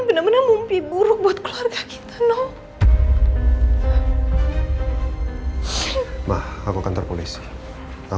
status sudah tersangkan dan